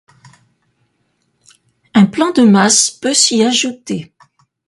Un plan de masse peut s'y ajouter.